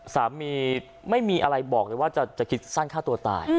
สามีไม่มีอะไรบอกเลยว่าจะคิดสั้นฆ่าตัวตาย